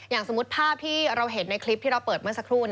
สมมุติภาพที่เราเห็นในคลิปที่เราเปิดเมื่อสักครู่